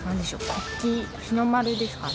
国旗日の丸ですかね。